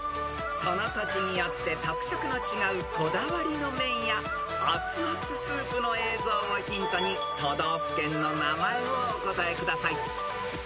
［その土地によって特色の違うこだわりの麺や熱々スープの映像をヒントに都道府県の名前をお答えください］